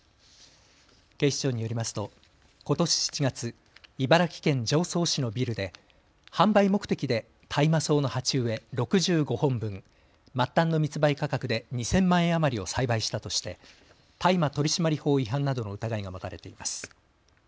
警視庁によりますとことし７月、茨城県常総市のビルで販売目的で大麻草の鉢植え６５本分、末端の密売価格で２０００万円余りを栽培したとして大麻取締法違反などの疑いが持たれています。